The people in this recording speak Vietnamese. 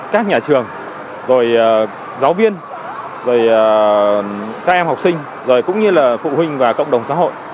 các nhà trường giáo viên các em học sinh phụ huynh và cộng đồng xã hội